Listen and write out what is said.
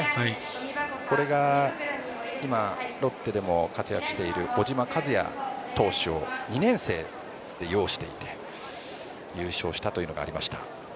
これが今ロッテでも活躍している小島和哉投手を２年生で擁していて優勝したというのがありました。